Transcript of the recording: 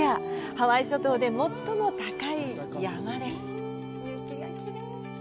ハワイ諸島で最も高い山です。